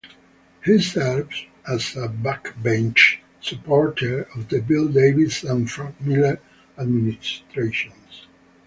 He served as a backbench supporter of the Bill Davis and Frank Miller administrations.